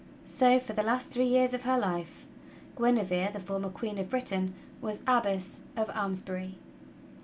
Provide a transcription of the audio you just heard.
So, for the last three years of her life, Guinevere, the former Queen of Britain was Abbess of Almes bury.